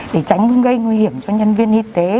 để tránh gây nguy hiểm cho nhân viên y tế